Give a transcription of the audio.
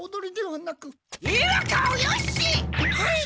はい！